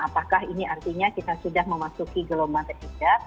apakah ini artinya kita sudah memasuki gelombang ketiga